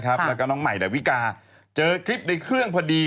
แล้วก็น้องใหม่ดาวิกาเจอคลิปในเครื่องพอดี